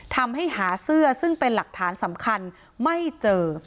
ทำให้หาเสื้อซึ่งเป็นหลักฐานสำคัญไม่เจอ